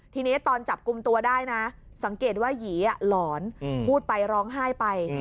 ทีนี้ตอนจับกลุ่มตัวได้นะสังเกตว่าหยีหลอนพูดไปร้องไห้ไป